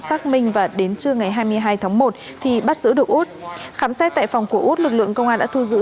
xác minh và đến trưa ngày hai mươi hai tháng một thì bắt giữ được út khám xét tại phòng của út lực lượng công an đã thu giữ